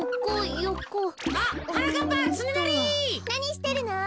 なにしてるの？